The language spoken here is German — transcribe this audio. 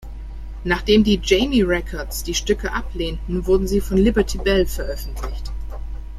Nachdem die Jamie Records die Stücke ablehnten, wurden sie von Liberty Bell veröffentlicht.